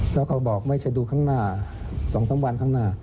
แล้วเขาบอกไม่ใช่ดูข้างหน้า๒๓วันข้างหน้า